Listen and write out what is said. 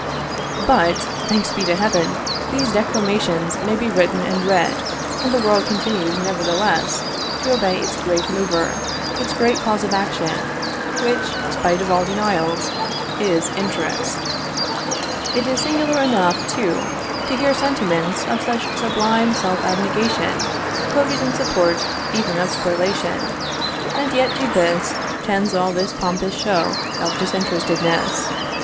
But, thanks be to Heaven! these declamations may be written and read, and the world continues nevertheless to obey its great mover, its great cause of action, which, spite of all denials, is interest. It is singular enough, too, to hear sentiments of such sublime self abnegation quoted in support even of Spoliation; and yet to this tends all this pompous show of disinterestedness!